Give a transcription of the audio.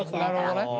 なるほどね。